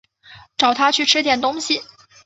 找她去吃点东西